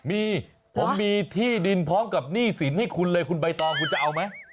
มีผมมีที่ดินพร้อมกับหนี้สินให้คุณเลยคุณใบตองคุณจะเอาไหม